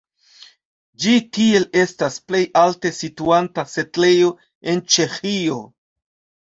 Ĝi tiel estas plej alte situanta setlejo en Ĉeĥio.